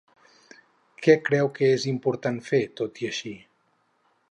Què creu que és important fer tot i així?